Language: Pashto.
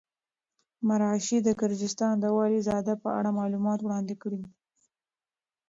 مرعشي د ګرجستان د والي زاده په اړه معلومات وړاندې کړي.